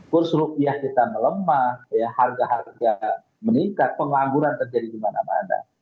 kurs rupiah kita melemah harga harga meningkat pengangguran terjadi di mana mana